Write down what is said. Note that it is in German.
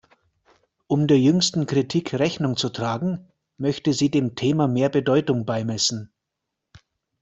Um der jüngsten Kritik Rechnung zu tragen, möchte sie dem Thema mehr Bedeutung beimessen.